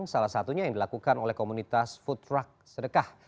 salah satunya yang dilakukan oleh komunitas food truck sedekah